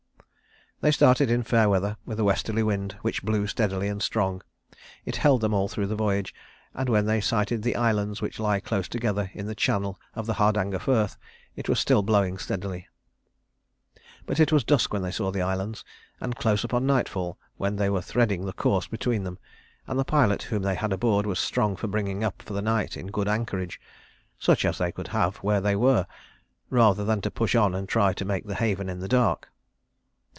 They started in fair weather, with a westerly wind which blew steady and strong. It held them all through the voyage, and when they sighted the islands which lie close together in the channel of the Hardanger Firth, it was still blowing steadily. But it was dusk when they saw the islands, and close upon nightfall when they were threading the course between them; and the pilot whom they had aboard was strong for bringing up for the night in good anchorage, such as they could have where they were, rather than to push on and try to make the haven in the dark.